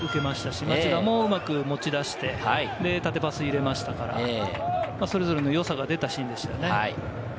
どちらも、うまく持ち出して、縦パスを入れましたから、それぞれの良さが出たシーンでしたよね。